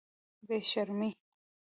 بې شرمې.